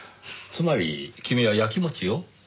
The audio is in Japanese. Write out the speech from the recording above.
つまり君はやきもちを？